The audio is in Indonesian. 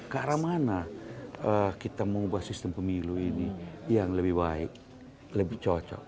karena mana kita mengubah sistem pemilu ini yang lebih baik lebih cocok